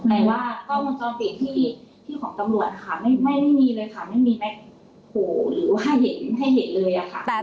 แต่ว่ากล้องวงจรปิดที่ของตำรวจค่ะไม่ได้มีเลยค่ะไม่มีแม็กซ์โหหรือว่าให้เห็นให้เห็นเลยอะค่ะ